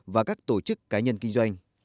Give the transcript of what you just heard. và các tổ chức cá nhân kinh doanh